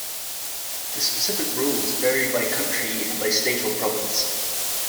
The specific rules vary by country and by state or province.